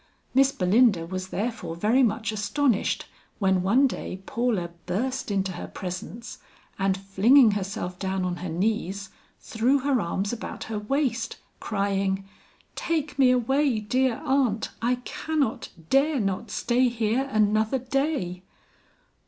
Miss Belinda was therefore very much astonished when one day Paula burst into her presence, and flinging herself down on her knees, threw her arms about her waist, crying, "Take me away, dear aunt, I cannot, dare not stay here another day."